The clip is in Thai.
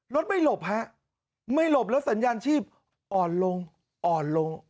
รถไม่หลบฮะไม่หลบแล้วสัญญาณชีพอ่อนลงอ่อนลง